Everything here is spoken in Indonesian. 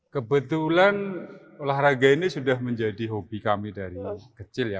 kebetulan olahraga ini sudah menjadi hobi kami dari kecil ya